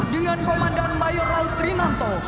dengan komandan mayor laut trinanto